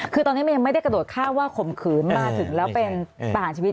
คือตอนนี้มันยังไม่ได้กระโดดข้ามว่าข่มขืนมาถึงแล้วเป็นประหารชีวิต